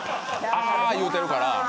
あ、言うてるから。